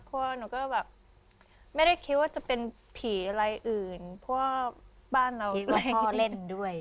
เพราะว่าหนูก็แบบไม่ได้คิดว่าจะเป็นผีอะไรอื่นเพราะว่าบ้านเราคิดว่าเล่นด้วย